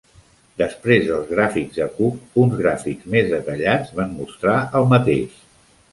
Després dels gràfics de Cook, uns gràfics més detallats van mostrar el mateix.